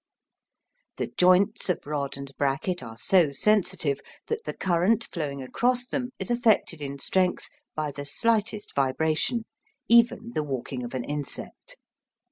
The joints of rod and bracket are so sensitive that the current flowing across them is affected in strength by the slightest vibration, even the walking of an insect.